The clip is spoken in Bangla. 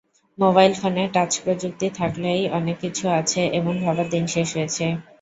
মোবাইল ফোনে টাচ প্রযুক্তি থাকলেই অনেক কিছু আছে-এমন ভাবার দিন শেষ হয়েছে।